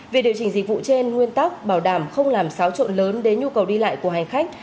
việc điều chỉnh dịch vụ trên nguyên tắc bảo đảm không làm xáo trộn lớn đến nhu cầu đi lại của hành khách